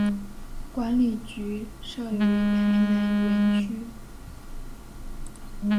管理局设于台南园区。